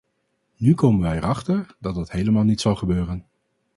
Nu komen wij erachter dat dat helemaal niet zal gebeuren.